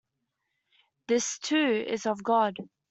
This, too, is of God.